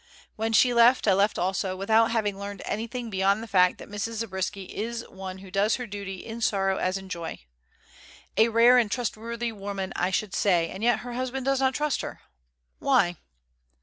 When she left, I left also, without having learned anything beyond the fact that Mrs. Zabriskie is one who does her duty in sorrow as in joy. A rare, and trustworthy woman I should say, and yet her husband does not trust her. Why?